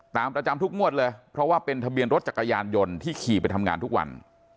ประจำทุกงวดเลยเพราะว่าเป็นทะเบียนรถจักรยานยนต์ที่ขี่ไปทำงานทุกวัน